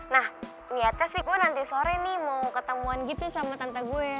nah lihatkah sih gue nanti sore nih mau ketemuan gitu sama tante gue